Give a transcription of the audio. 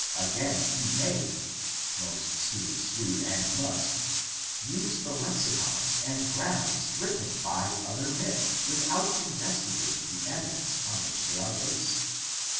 Again, he may^ most students do and must — use the lexicons and grammars written by other men without investigating the evidence on which they are based.